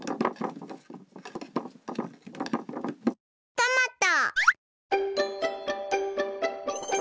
トマト。